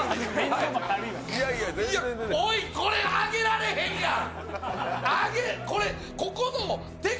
おい、これ、上げられへんやん！！